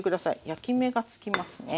焼き目がつきますね。